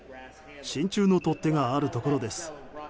真ちゅうの取っ手があるところです。